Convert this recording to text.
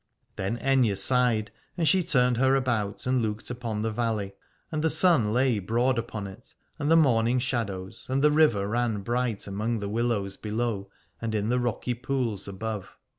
Then Aithne sighed, and she turned her about and looked upon the valley, and the sun lay broad upon it, and the morning shadows, and the river ran bright among the willows below and in the rocky pools above.